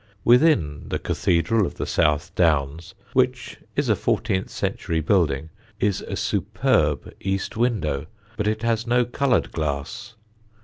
Within the cathedral of the South Downs, which is a fourteenth century building, is a superb east window, but it has no coloured glass.